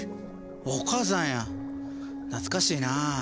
お母さんや懐かしいな。